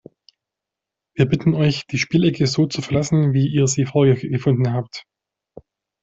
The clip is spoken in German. Wir bitten euch, die Spielecke so zu verlassen, wie ihr sie vorgefunden habt!